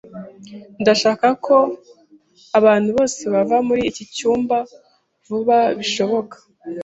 Ndashaka ko abantu bose bava muri iki cyumba vuba bishoboka.